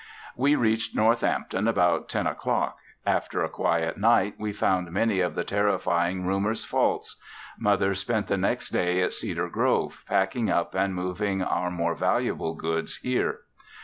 We reached Northampton about 10:00 o'clock. After a quiet night, we found many of the terrifying rumors false. Mother spent the next day at Cedar Grove, packing up and moving our more valuable goods here.